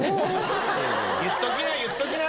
言っときな言っときな。